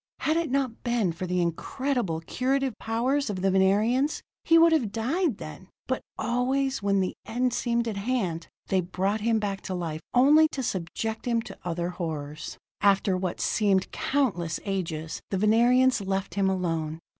Had it not been for the incredible curative powers of the Venerians, he would have died then; but always, when the end seemed at hand, they brought him back to life, only to subject him to other horrors. After what seemed countless ages, the Venerians left him alone.